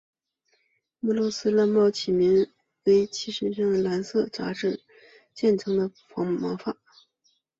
俄罗斯蓝猫起名为其身上蓝色间杂银色渐层的毛发。